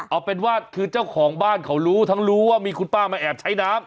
เอาเป็นว่าคือเจ้าของบ้านเขารู้ทั้งรู้ว่ามีคุณป้ามาแอบใช้น้ำ